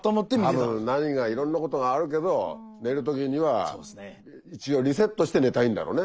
多分何かいろんなことがあるけど寝る時には一応リセットして寝たいんだろうね